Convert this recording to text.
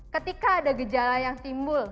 ketika ada gejala yang timbul